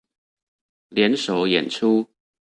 聯手演出